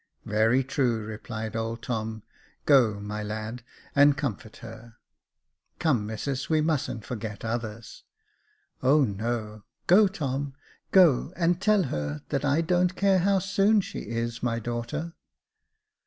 " Very true," replied old Tom j " go, my lad, and comfort her. Come, missus, we mustn't forget others." *' Oh, no. Go, Tom ; go and tell her that I don't care how soon she is my daughter."